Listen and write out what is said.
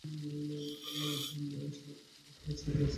বিবদমান সেনাদের দুই পক্ষের মধ্যে সংঘর্ষ রাজধানী জুবার বাইরেও ছড়িয়ে পড়েছে।